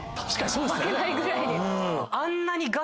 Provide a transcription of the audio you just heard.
負けないぐらいに。